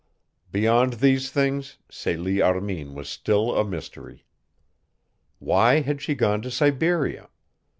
Beyond these things Celie Armin was still a mystery. Why had she gone to Siberia?